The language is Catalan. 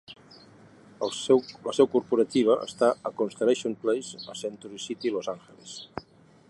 La seu corporativa està a Constellation Place, a Century City, Los Angeles.